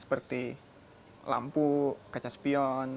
seperti lampu kaca spion